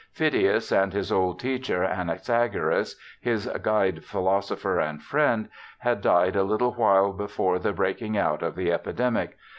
Phidias, and his old teacher, Anaxagoras, his ' Guide, philosopher, and friend ', had died a little while before the breaking out of the epidemic.